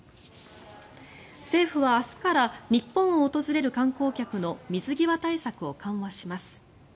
政府は明日から日本を訪れる観光客の水際対策を緩和します。